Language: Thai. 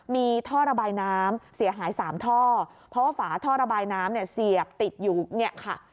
มีท่อระบายน้ำเสียหายสามท่อเพราะว่าฝาท่อระบายน้ำเนี่ยเสียบติดอยู่เนี่ยค่ะ